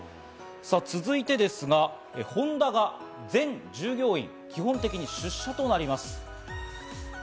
続いて、ホンダが全従業員、基本的に出社となります。